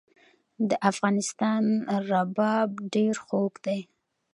د افغانستان رباب ډیر خوږ دی